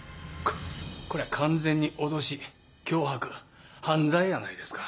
ここりゃ完全に脅し脅迫犯罪やないですか。